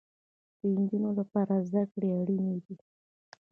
د انجونو لپاره زده کړې اړينې دي